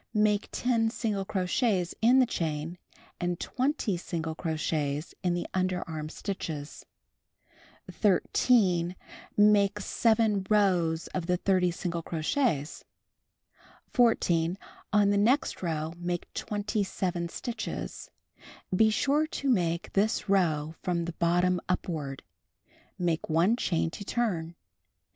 Make 10 single crochets in the chain and 20 single crochets in the under arm stitches. 13. Make 7 rows of the 30 single crochets. 14. On the next row make 27 stitches. (Be sure to make this row from the bottom upward.) Make 1 chain to turn.